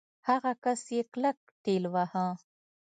هغه کس يې کلک ټېلوهه.